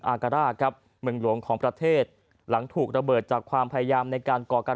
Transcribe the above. อาการ่าครับเมืองหลวงของประเทศหลังถูกระเบิดจากความพยายามในการก่อการ